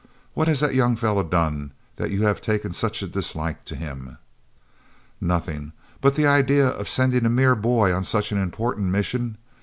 "What has that young fellow done that you have taken such a dislike to him?" "Nothing; but the idea of sending a mere boy on such an important mission!